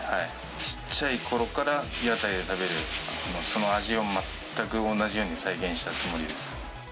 ちっちゃいころから屋台で食べるその味を、そのまま全く同じように再現したつもりです。